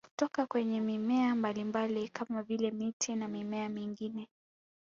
Kutoka kwenye mimea mbalimbali kama vile miti na mimea mingine